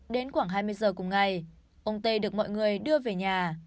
đến khoảng hai mươi giờ cùng ngày ông tê được mọi người đưa về nhà